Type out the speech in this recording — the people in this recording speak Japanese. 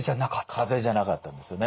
かぜじゃなかったんですよね。